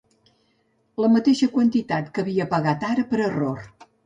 La mateixa quantitat que havia pagat ara per error.